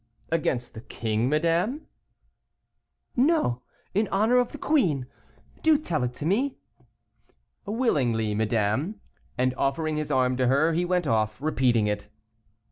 "Against the king, madame?" "No, in honor of the queen; do tell it to me." "Willingly, madame," and, offering his arm to her, he went off, repeating it.